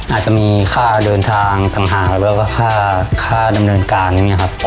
อาจจะมีค่าเดินทางต่างหากแล้วก็ค่าดำเนินการอย่างนี้ครับ